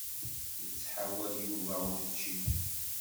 Ittḥawal Yuba učči.